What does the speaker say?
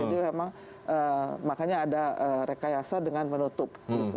jadi memang makanya ada rekayasa dengan menutup